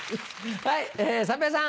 はい三平さん。